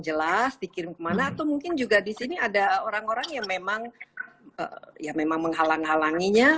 jelas dikirim kemana atau mungkin juga di sini ada orang orang yang memang ya memang menghalang halanginya